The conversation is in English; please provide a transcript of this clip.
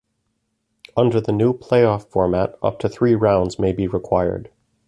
Under the new playoff format, up to three rounds may be required.